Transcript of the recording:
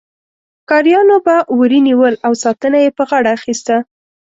ښکاریانو به وري نیول او ساتنه یې په غاړه اخیسته.